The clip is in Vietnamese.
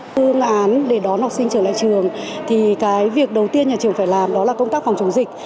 phương án để đón học sinh trở lại trường thì cái việc đầu tiên nhà trường phải làm đó là công tác phòng chống dịch